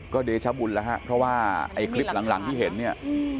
ก็เดชบุญแล้วฮะเพราะว่าไอ้คลิปหลังที่เห็นเนี่ย